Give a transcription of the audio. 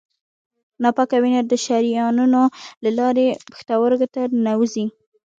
ناپاکه وینه د شریانونو له لارې پښتورګو ته ننوزي.